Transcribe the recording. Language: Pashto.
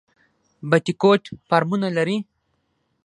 بټي کوټ فارمونه لري؟